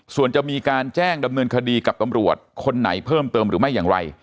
ส่วนจะมีการแจ้งดำเนินคดีกับตำรวจคนไหนเพิ่มเติมหรือไม่อย่างไร